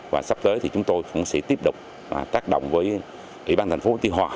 và sắp tới chúng tôi cũng sẽ tiếp tục tác động với ủy ban thành phố tây hòa